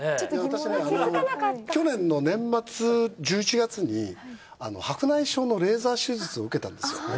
去年の年末１１月に白内障のレーザー手術を受けたんですよ。